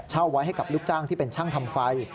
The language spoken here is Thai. ไว้ให้กับลูกจ้างที่เป็นช่างทำไฟ